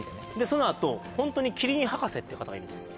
そのあとホントにキリン博士って方がいるんですよ